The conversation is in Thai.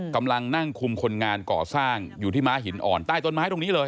กำลังนั่งคุมคนงานก่อสร้างอยู่ที่ม้าหินอ่อนใต้ต้นไม้ตรงนี้เลย